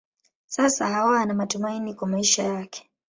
Sasa Hawa ana matumaini kwa maisha yake.